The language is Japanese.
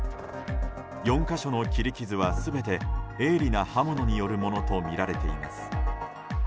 ４か所の切り傷は全て鋭利な刃物によるものとみられています。